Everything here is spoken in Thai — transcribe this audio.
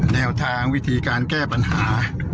แนวทางวิธีการแก้ปัญหา